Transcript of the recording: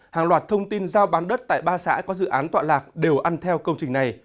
hàng loạt thông tin giao bán đất tại ba xã có dự án tọa lạc đều ăn theo công trình này